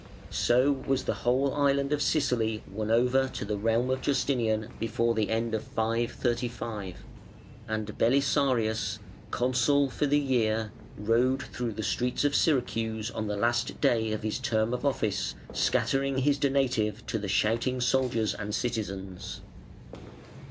So was the whole island of Sicily won over to the realm of Justinian before the end of 535, and Belisarius, Consul for the year, rode through the streets of Syracuse on the last day of his term of office, scattering his "donative" to the shouting soldiers and citizens.